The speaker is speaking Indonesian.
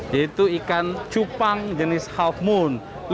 yaitu ikan cupang jenis half moon